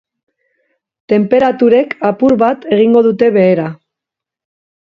Tenperaturek apur bat egingo dute behera.